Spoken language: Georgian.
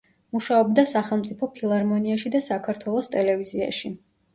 მუშაობდა სახელმწიფო ფილარმონიაში და საქართველოს ტელევიზიაში.